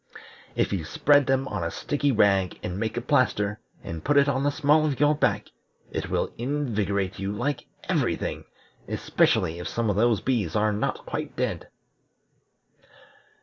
If you spread them on a sticky rag, and make a plaster, and put it on the small of your back, it will invigorate you like every thing, especially if some of the bees are not quite dead."